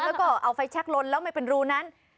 แล้วก็เอาไฟแช็คลนแล้วไม่เป็นรูนั้น